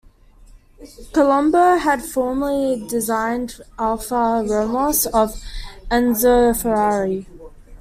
Colombo had formerly designed Alfa Romeos for Enzo Ferrari.